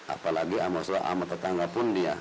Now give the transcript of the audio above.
apalagi amoso sama tetangga pun dia